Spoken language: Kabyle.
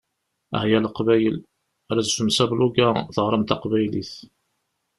Ahya Leqbayel! Rezfem s ablug-a teɣrem taqbaylit.